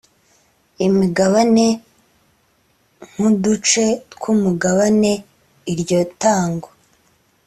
imigabane nk uduce tw umugabane iryo tangwa